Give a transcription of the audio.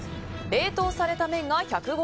冷凍された麺が１５０ｇ